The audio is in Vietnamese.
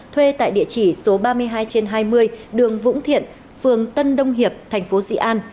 thuê tại địa chỉ số ba mươi hai trên hai mươi đường vũ thiện phường tân đông hiệp thành phố dị an